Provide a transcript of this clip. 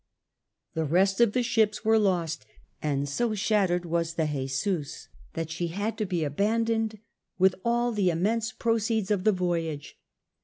The rest of the ships were lost, and so shattered was the Jesus that she had to be abandoned with all the immense proceeds of the voyage.